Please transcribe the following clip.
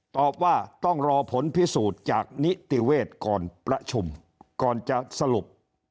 ตอบว่าต้องรอผลพิสูจน์จากนิติเวศก่อนประชุมก่อนจะสรุป